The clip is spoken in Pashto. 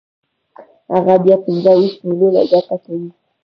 هغه بیا پنځه ویشت میلیونه ګټه کوي